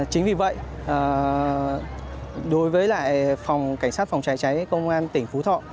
chính vì vậy đối với lại phòng cảnh sát phòng cháy cháy công an tỉnh phú thọ